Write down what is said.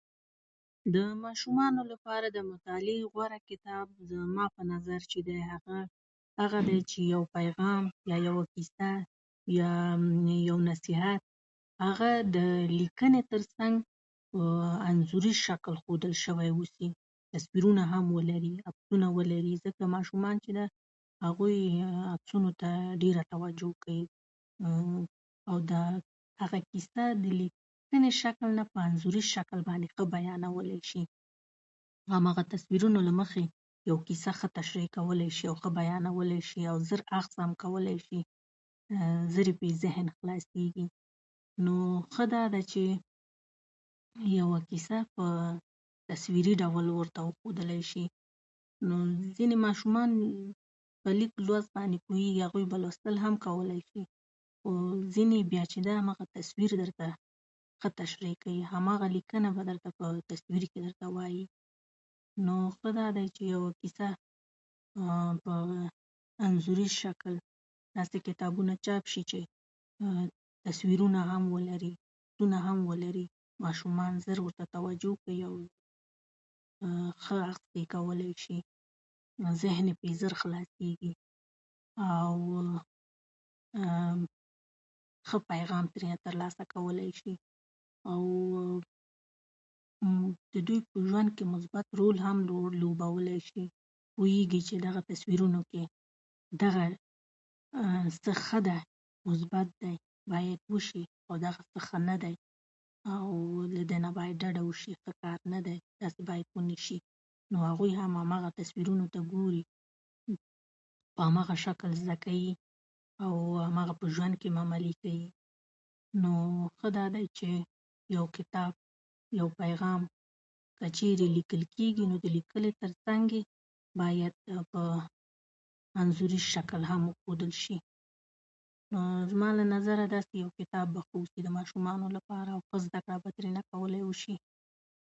د ماشومانو لپاره د مطالعې غوره کتاب، زما په نظر، چې د هغه هغه دی چې یو پیغام، یا یوه کیسه، یا یو نصیحت، هغه د لیکنې تر څنګ په انځوري شکل ښودل شوی وسي. تصویرونه هم ولري، عکسونه ولري، ځکه ماشومان چې ده، هغوی عکسونو ته ډېره توجه کوي او د هغه کیسه د لیکني شکل نه په انځوري شکل ښه بیانولی شي. همغه تصویرونو له مخې یو کیسه ښه تشریح کولی شي او ښه بیانولی شي او زر اخذ هم کولی شي، زر یې په ذهن خلاصېږي. نو ښه دا ده چې یوه کیسه په تصویري ډول ورته وښودل شي. نو ځینې ماشومان په لیک لوست باندې پوهېږي، هغوی بل لوستل هم کولی شي، خو ځینې بیا چې دي، بیا همغه تصویر درته ښه تشریح کوي، همغه لیکنه به درته په تصویري کې درته وایي. نو ښه دا دی چې یوه کیسه په انځوري شکل. دلته کتابونه چاپ شي چې تصویرونه هم ولري، عکسونه هم ولري. ماشومان زر ورته توجه کوي او ښه اخذ پری کولی شي او ذهن یې پرې زر خلاصېږي او ښه پیغام ترې ترلاسه کولی شي، او د دوی په ژوند کې مثبت رول هم لوبولی شي. پوهېږي چې هغه تصویرونه چې دغه څه ښه دي، مثبت دي، باید وشي، او ښه نه دي، او دغه نه باید د ده وشي، ځکه ښه نه دي، باید نه شي. هغوی هم هغه تصویرونه ګوري او همغه شکل زده کوي او همغه په ژوند کې عملي کوي. نو ښه دا دی چې یو کتاب، یو پیغام کې چېرې لیکل کېږي، نو د لیکنې تر څنګ یې باید په انځوري شکل هم وښودل شي. نو زما له نظره داسې یو کتاب بو ښه به وي د ماشومانو لپاره، چې زده پرې وکولی شي.